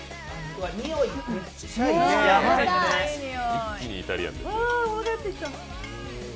一気にイタリアンですよ。